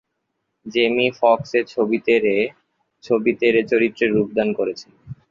Jamie Foxx এ ছবিতে Ray চরিত্রে রূপদান করেছেন।